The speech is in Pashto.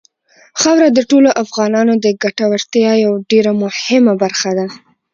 خاوره د ټولو افغانانو د ګټورتیا یوه ډېره مهمه برخه ده.